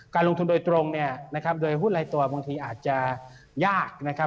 ลงทุนโดยตรงเนี่ยนะครับโดยหุ้นลายตัวบางทีอาจจะยากนะครับ